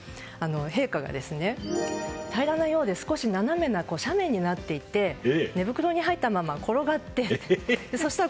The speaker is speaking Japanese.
陛下が、平らなようで少し斜めな斜面になっていて寝袋に入ったまま転がって行ったと。